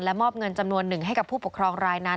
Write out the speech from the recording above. มอบเงินจำนวนหนึ่งให้กับผู้ปกครองรายนั้น